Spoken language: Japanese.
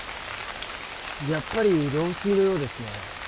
やっぱり漏水のようですね